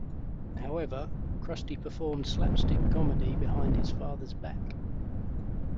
However, Krusty performed slapstick comedy behind his father's back.